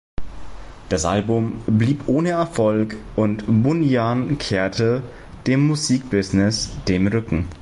Das Album blieb ohne Erfolg und Bunyan kehrte dem Musik-Business den Rücken.